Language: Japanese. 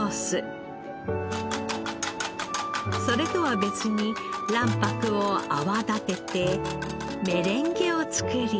それとは別に卵白を泡立ててメレンゲを作り。